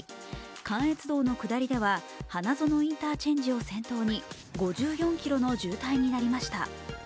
関越道の下りでは花園インターチェンジを先頭に５４ｋｍの渋滞となりました。